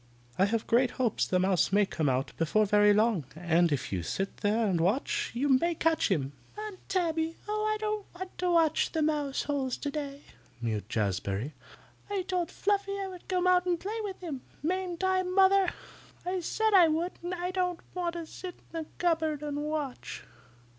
I have great hopes the mouse may come out before so very long, and if you sit there and watch, you may catch him." "Aunt Tabby! Oh, I don't want to watch mouse holes today," mewed Jazbury. "I told Fluffy I would come out and play with him. Mayn't I, Mother? I said I would, and I don't want to sit there in the cupboard and watch.